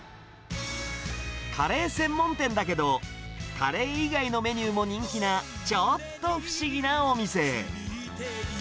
カレー専門店だけど、カレー以外のメニューも人気なちょっと不思議なお店。